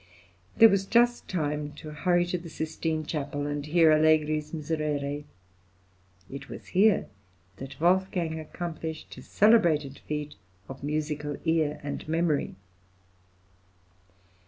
There was just time to hurry to the Sistine Chapel and hear Allegri's Miserere. It was here that Wolfgang accomplished his celebrated feat of musical ear and memory.